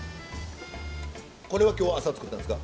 これは今日朝作ったんですか？